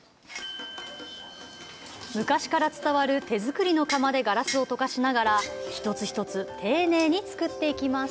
昔から伝わる手作りの窯でガラスを溶かしながら、１つ１つ、丁寧に作っていきます。